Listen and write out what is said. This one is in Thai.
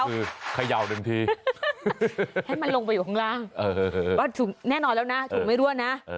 คือเขย่าหนึ่งทีให้มันลงไปข้างล่างแน่นอนแล้วนะถูกไม่ร่วนนะ